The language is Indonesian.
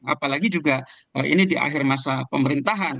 apalagi juga ini di akhir masa pemerintahan